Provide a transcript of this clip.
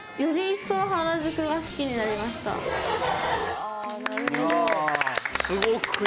あなるほど。